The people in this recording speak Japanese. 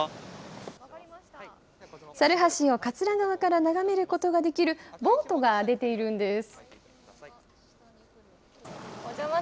猿橋を桂川から眺めることができるボートが出ているんです。